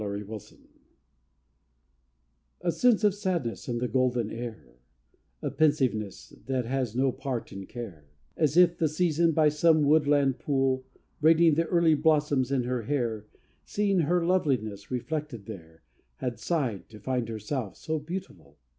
REVEALMENT A sense of sadness in the golden air, A pensiveness, that has no part in care, As if the Season, by some woodland pool, Braiding the early blossoms in her hair, Seeing her loveliness reflected there, Had sighed to find herself so beautiful.